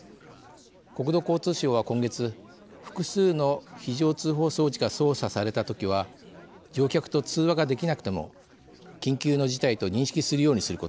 国土交通省は今月複数の非常通報装置が操作されたときは乗客と通話ができなくても緊急の事態と認識するようにすること。